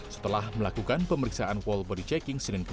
setelah melakukan pemeriksaan whole body checking